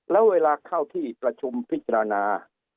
แล้วเวลาเข้าที่ประชุมพิจารณา